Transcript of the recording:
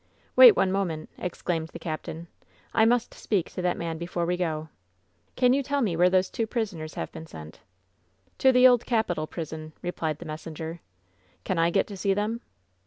"Wait one moment," exclaimed the captain. "I must speak to that man before we go. Can you tell me where those two prisoners have been sent?" "To the Old Capitol prison?" replied the messenger. "Can I get to see them?"